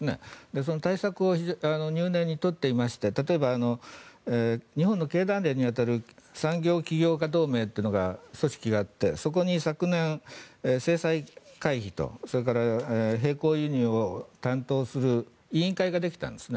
その対策を入念に取っていまして例えば、日本の経団連に当たる産業起業家同盟という組織があってそこに昨年制裁回避と並行輸入を担当する委員会ができたんですね。